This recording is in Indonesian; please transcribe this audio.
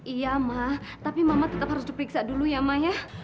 iya mah tapi mama tetap harus diperiksa dulu ya mak ya